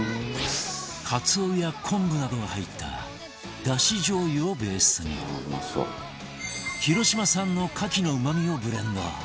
カツオや昆布などが入っただし醤油をベースに広島産の牡蠣のうまみをブレンド